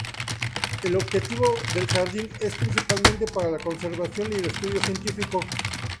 El objetivo del jardín es principalmente para la conservación y el estudio científico.